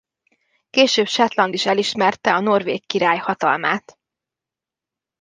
Később Shetland is elismerte a norvég király hatalmát.